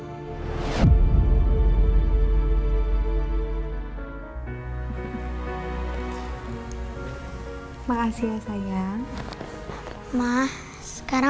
iblis yang sudah mendatangkan kesengsaraan